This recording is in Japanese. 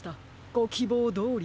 ごきぼうどおり